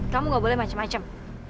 kamu gak boleh macem macem